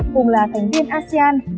cùng là thành viên asean